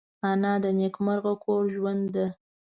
انا د نیکمرغه کور ژوند ده